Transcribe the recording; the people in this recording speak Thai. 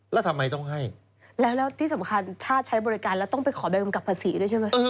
แล้วทำไมต้องให้แล้วแล้วที่สำคัญถ้าใช้บริการแล้วต้องไปขอใบกำกับภาษีด้วยใช่ไหม